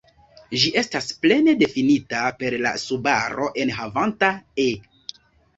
Ĝi estas plene difinita per la subaro enhavanta "e".